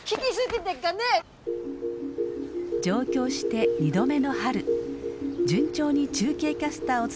上京して２度目の春順調に中継キャスターを務めるモネ。